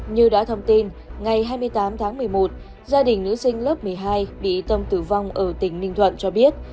như đã thông tin ngày hai mươi tám tháng một mươi một gia đình nữ sinh lớp một mươi hai bị tâm tử vong ở tỉnh ninh thuận cho biết